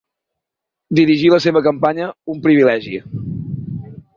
Dirigir la seva campanya, un privilegi.